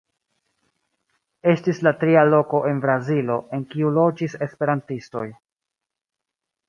Estis la tria loko en Brazilo en kiu loĝis esperantistoj.